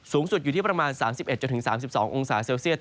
สูงสุดอยู่ที่ประมาณ๓๑๓๒องศาเซลเซียต